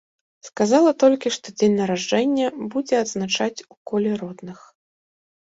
Сказала толькі, што дзень нараджэння будзе адзначаць у коле родных.